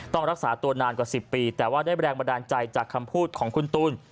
รักษาตัวนานกว่า๑๐ปีแต่ว่าได้แรงบันดาลใจจากคำพูดของคุณตูน